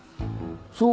そう